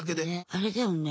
あれだよね